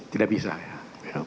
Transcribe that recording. tidak bisa ya